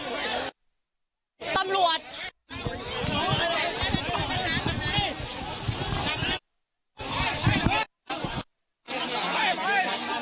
พระบุว่าจะมารับคนให้เดินทางเข้าไปในวัดพระธรรมกาลนะคะ